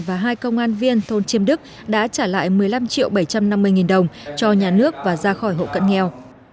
và hai công an viên thôn chiêm đức đã trả lại một mươi năm triệu bảy trăm năm mươi nghìn đồng cho nhà nước và ra khỏi hộ cận nghèo